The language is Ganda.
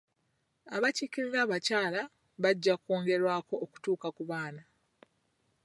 Abakiikirira abakyala bajja kwongerwako okutuuka ku bana.